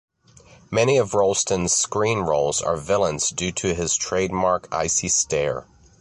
Many of Rolston's screen roles are villains due to his trademark icy stare.